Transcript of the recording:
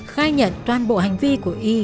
khai nhận toàn bộ hành vi của y